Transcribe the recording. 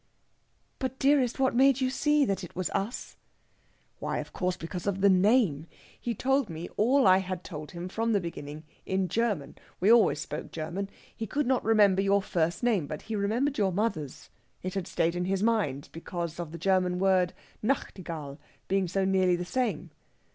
"But, dearest, what made you see that it was us?" "Why, of course, because of the name! He told me all I had told him from the beginning in German. We always spoke German. He could not remember your first name, but he remembered your mother's it had stayed in his mind because of the German word Nachtigall being so nearly the same.